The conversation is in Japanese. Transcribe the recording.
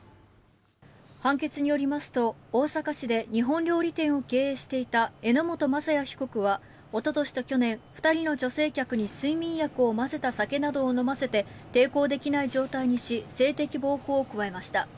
判決によりますと、大阪市で日本料理店を経営していた榎本正哉被告はおととしと去年２人の女性客に睡眠薬を混ぜた酒などを飲ませて抵抗できない状態にし性的暴行を加えました。